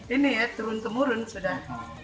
ini ya turun temurun sudah